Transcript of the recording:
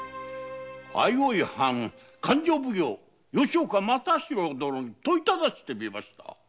相生藩勘定奉行・吉岡又四郎殿に問いただしてみました。